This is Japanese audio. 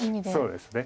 そうですね。